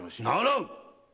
ならん！